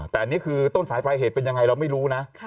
แต่อันนี้คือต้นสายปลายเหตุเป็นยังไงเราไม่รู้นะ